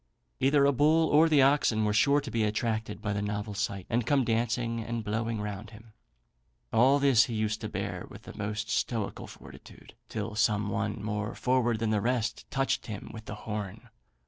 Either a bull or the oxen were sure to be attracted by the novel sight, and come dancing and blowing round him. All this he used to bear with the most stoical fortitude, till some one more forward than the rest touched him with the horn.